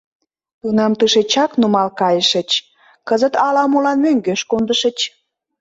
— Тунам тышечак нумал кайышыч, кызыт ала-молан мӧҥгеш кондышыч.